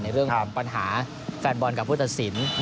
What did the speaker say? ในเรื่องตามปัญหาแฟนบอร์นกับผู้จัดสิน